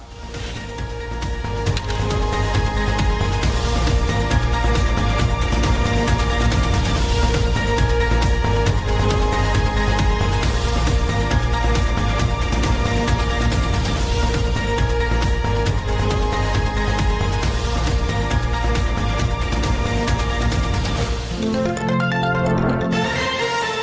โปรดติดตามตอนต่อไป